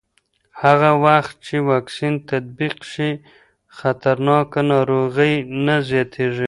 هغه وخت چې واکسین تطبیق شي، خطرناک ناروغۍ نه زیاتېږي.